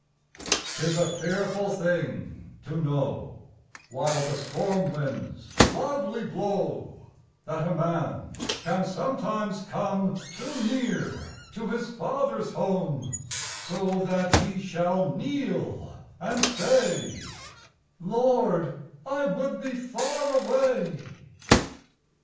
'Tis a fearful thing to know, While the storm winds loudly blow, That a man can sometimes come Too near to his father's home; So that he shall kneel and say, "Lord, I would be far away!"